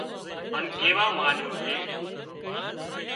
هان ڪيوا مانڏيو ڪي